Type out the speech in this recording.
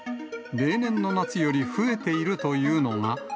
例年の夏より増えているというのが。